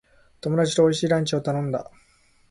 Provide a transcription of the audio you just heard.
友達と美味しいランチを楽しんだ。